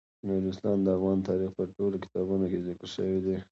نورستان د افغان تاریخ په ټولو کتابونو کې ذکر شوی دی.